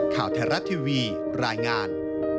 ข่าวเทราะทีวีรายงาน